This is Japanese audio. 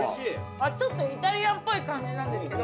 ちょっとイタリアンっぽい感じなんですけど。